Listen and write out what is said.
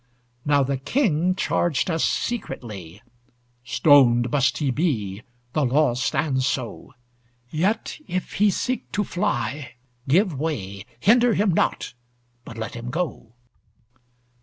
Now the King charged us secretly: "Stoned must he be, the law stands so. Yet, if he seek to fly, give way; Hinder him not, but let him go."